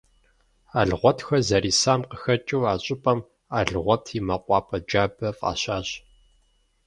Алгъуэтхэ зэрисам къыхэкӏыу, а щӏыпӏэм «Алгъуэт и мэкъупӏэ джабэ» фӏащащ.